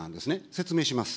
説明します。